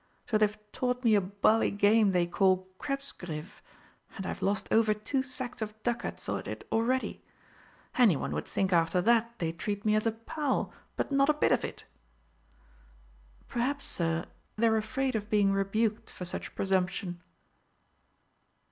So they've taught me a bally game they call 'Krebsgriff,' and I've lost over two sacks of ducats at it already. Anyone would think after that they'd treat me as a pal, but not a bit of it!" "Perhaps, Sir, they're afraid of being rebuked for such presumption."